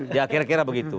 ya kira kira begitu